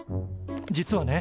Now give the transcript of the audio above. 実はね